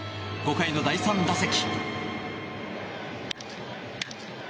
５回の第３打席。